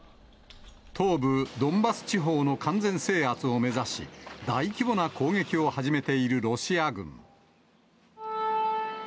東部ドンバス地方の完全制圧を目指し、大規模な攻撃を始めているロシア軍。